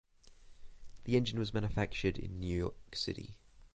The engine was manufactured in New York City.